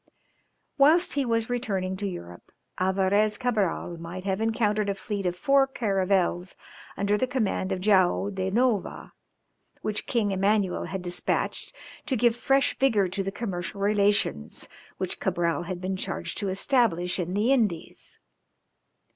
Whilst he was returning to Europe Alvarès Cabral might have encountered a fleet of four caravels under the command of Joao da Nova, which King Emmanuel had despatched to give fresh vigour to the commercial relations which Cabral had been charged to establish in the Indies.